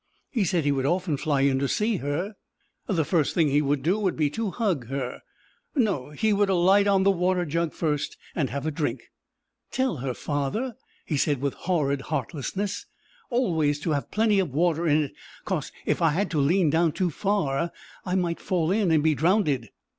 He said he would often fly in to see her. The first thing he would do would be to hug her. No, he would alight on the water jug first, and have a drink. "Tell her, father," he said with horrid heartlessness, "always to have plenty of water in it, 'cos if I had to lean down too far I might fall in and be drownded."